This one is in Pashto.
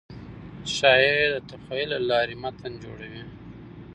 شاعر د تخیل له لارې متن جوړوي.